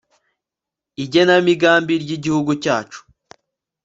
Igenamigambi ry igihugu cyacu